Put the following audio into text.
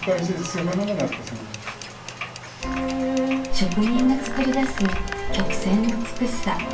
職人がつくり出す曲線の美しさ